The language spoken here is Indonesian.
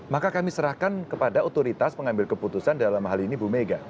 maka kami serahkan kepada otoritas pengambil keputusan dalam hal ini bu mega